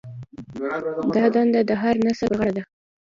دا دنده د هر نسل پر غاړه ده.